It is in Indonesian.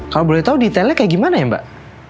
kalau boleh tahu detailnya kayak gimana ya mbak